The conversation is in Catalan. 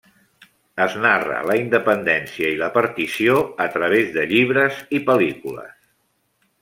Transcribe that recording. Es narra la independència i la partició a través de llibres i pel·lícules.